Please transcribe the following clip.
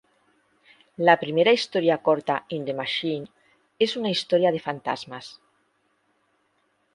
La primera historia corta, 'In the Machine,' es una historia de fantasmas.